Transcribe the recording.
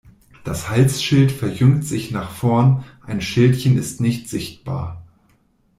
Das Halsschild verjüngt sich nach vorn, ein Schildchen ist nicht sichtbar.